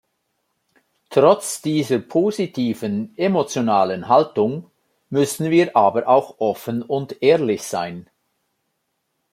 Trotz dieser positiven emotionalen Haltung müssen wir aber auch offen und ehrlich sein.